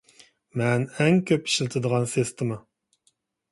مەن ئەڭ كۆپ ئىشلىتىدىغان سىستېما.